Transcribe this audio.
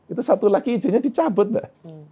itu satu lagi izinnya dicabut mbak